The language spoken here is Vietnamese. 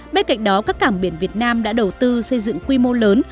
bên cạnh đó các cảng biển việt nam đã đầu tư xây dựng quy mô lớn